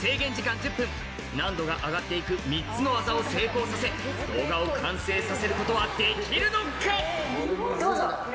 難度が上がって行く３つの技を成功させ動画を完成させることはできるのか？